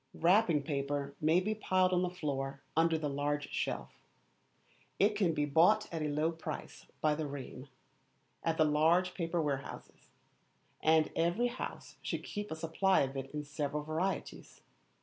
Wrapping paper may be piled on the floor under the large shelf. It can be bought at a low price by the ream, at the large paper warehouses; and every house should keep a supply of it in several varieties.